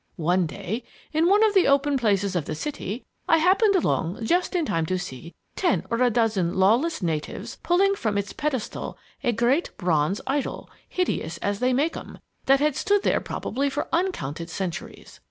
One day, in one of the open places of the city, I happened along just in time to see ten or a dozen lawless natives pulling from its pedestal a great bronze idol, hideous as they make 'em, that had stood there probably for uncounted centuries.